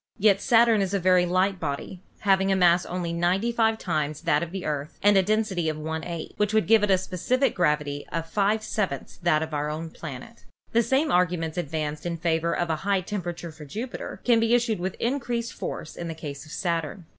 Yet Saturn is a very light body, having a mass only 95 times that of the Earth and a density of one eighth, which would give it a specific gravity of five sevenths that of our own planet. The same arguments advanced in favor of a high temperature for Jupiter can be used with increased force in the case of Saturn.